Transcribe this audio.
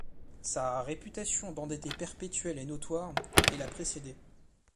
Sa réputation d’endetté perpétuel est notoire et l’a précédé.